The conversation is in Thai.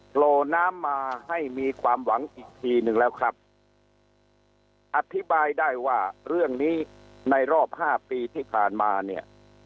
โผล่น้ำมาให้มีความหวังอีกทีหนึ่งแล้วครับอธิบายได้ว่าเรื่องนี้ในรอบห้าปีที่ผ่านมาเนี่ย